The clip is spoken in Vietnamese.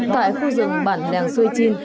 tại khu rừng bản đàng xui chin